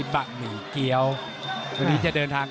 โหโหโหโหโหโหโห